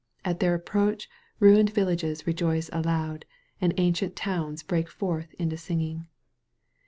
At their approach ruined villages rejoice aloud and ancient towns break forth into singing.